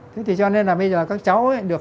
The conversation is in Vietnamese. thế thì cho nên là bây giờ các cháu ấy được